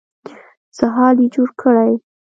څه حال يې جوړ کړی.